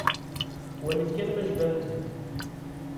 Walit kan ma jbant-d.